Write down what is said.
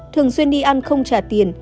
thường xuyên đi ăn không trả tiền